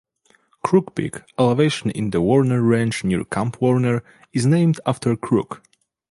Crook Peak, elevation in the Warner Range near Camp Warner, is named after Crook.